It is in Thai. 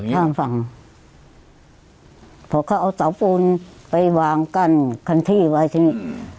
ทางฝั่งเพราะเขาเอาสาวปูนไปวางกันคันที่ไว้ที่นี่